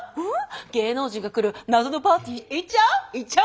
芸能人が来る謎のパーティー行っちゃう？